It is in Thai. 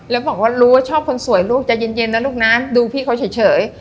แล้วบอกว่ารู้ว่าชอบคนสวยลูกใจเย็นนะลูกนะดูพี่เขาเฉย